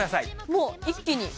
もう一気に。